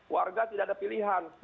warga tidak ada pilihan